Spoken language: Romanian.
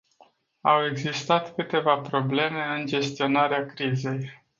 Au existat câteva probleme în gestionarea crizei.